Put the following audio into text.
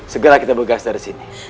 segera kita begas dari sini